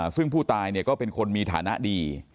ซึ่งผู้ตายก็เป็นคนมีฐานะดี